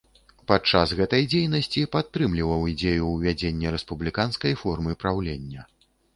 Падчас гэтай дзейнасці падтрымліваў ідэю ўвядзення рэспубліканскай формы праўлення.